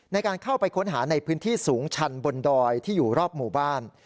ในการเข้าไปค้นหาในพื้นที่สูงชันบนดอยที่อยู่รอบหมู่บ้าน